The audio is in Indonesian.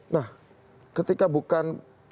nah ketika bukan